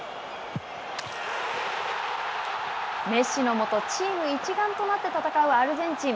メッシのもとチーム一丸となって戦うアルゼンチン。